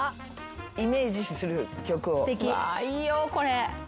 ・うわいいよこれ。